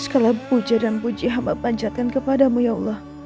segala puja dan puji hamba panjatkan kepadamu ya allah